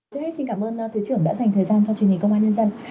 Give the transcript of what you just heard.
trước hết xin cảm ơn thứ trưởng đã dành thời gian cho truyền hình công an nhân dân